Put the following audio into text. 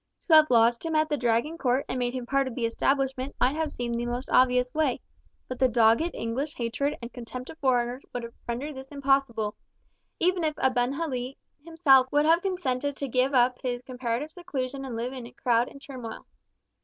To have lodged him at the Dragon court and made him part of the establishment might have seemed the most obvious way, but the dogged English hatred and contempt of foreigners would have rendered this impossible, even if Abenali himself would have consented to give up his comparative seclusion and live in a crowd and turmoil.